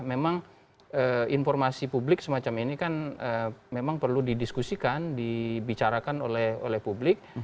memang informasi publik semacam ini kan memang perlu didiskusikan dibicarakan oleh publik